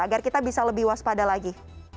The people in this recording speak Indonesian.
agar kita bisa lebih waspada lagi